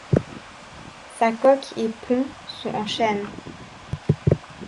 Sa coque et pont sont en chêne.